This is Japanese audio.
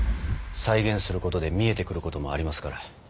再現することで見えて来ることもありますから。